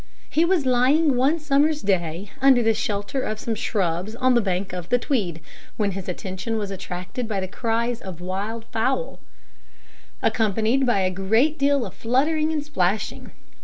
He was lying one summer's day under the shelter of some shrubs on the banks of the Tweed, when his attention was attracted by the cries of wild fowl, accompanied by a great deal of fluttering and splashing.